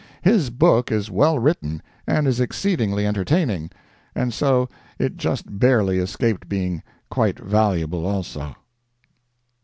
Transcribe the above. His book is well written and is exceedingly entertaining, and so it just barely escaped being quite valuable also.